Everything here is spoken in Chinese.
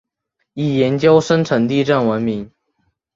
以研究深层地震闻名。